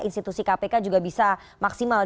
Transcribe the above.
institusi kpk juga bisa maksimal